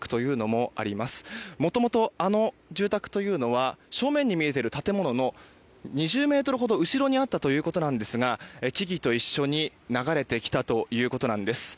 もともと、あの住宅というのは正面に見えている建物の２０ｍほど後ろにあったということなんですが木々と一緒に流れてきたということなんです。